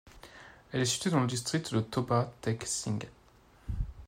Elle est située dans le district de Toba Tek Singh.